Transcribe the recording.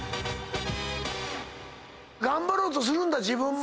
頑張ろうとするんだ自分も。